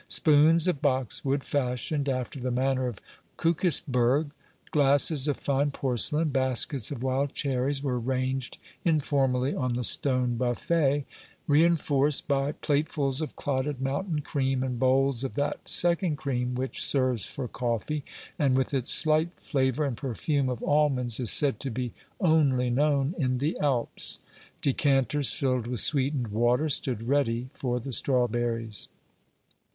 Spoons of box wood fashioned after the manner of Koukisberg, glasses of fine porcelain, baskets of wild cherries, were ranged inform ally on the stone buffet, reinforced by platefuls of clotted mountain cream and bowls of that second cream which serves for coffee and, with its slight flavour and perfume of almonds, is said to be only known in the Alps. Decanters filled with sweetened water stood ready for the strawberries.